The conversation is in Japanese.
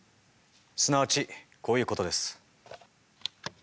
すなわちこういうことです。